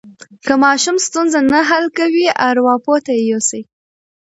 که ماشوم ستونزه نه حل کوي، ارواپوه ته یې یوسئ.